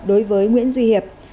đối với nguyễn duy hiệp